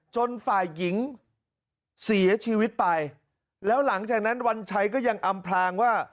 ฝ่ายหญิงเสียชีวิตไปแล้วหลังจากนั้นวันชัยก็ยังอำพลางว่า